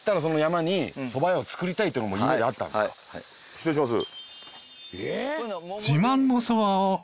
失礼します。